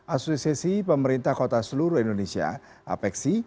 asosiasi pemerintah kota seluruh indonesia apexi